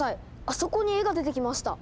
あそこに絵が出てきました！